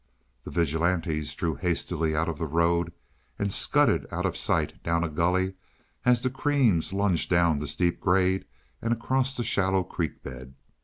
The "vigilantes" drew hastily out of the road and scudded out of sight down a gully as the creams lunged down the steep grade and across the shallow creek bed.